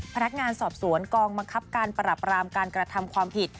พนักงานสอบสวนกองบังคับการปรับรามการกระทำความผิด